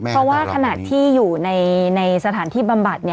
เพราะว่าขณะที่อยู่ในสถานที่บำบัด